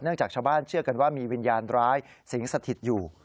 จากชาวบ้านเชื่อกันว่ามีวิญญาณร้ายสิงสถิตอยู่